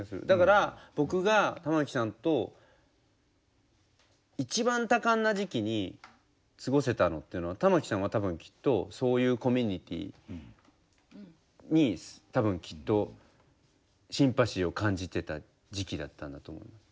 だから僕が玉置さんと一番多感な時期に過ごせたのって玉置さんは多分きっとそういうコミュニティーに多分きっとシンパシーを感じてた時期だったんだと思う。